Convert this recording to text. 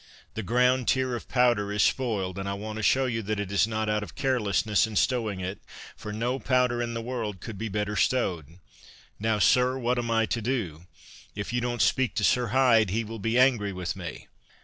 "The ground tier of powder is spoiled, and I want to show you that it is not out of carelessness in stowing it, for no powder in the world could be better stowed. Now, Sir, what am I to do? if you don't speak to Sir Hyde, he will be angry with me."